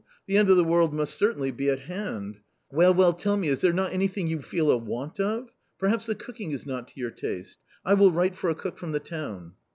The end of the world must certainly be at hand ! Well, well, tell me, is there not anything you feel a want of? Perhaps the cooking is not to your taste ? I will write for a cook from the town."